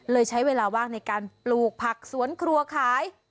ใช้เวลาว่างในการปลูกผักสวนครัวขาย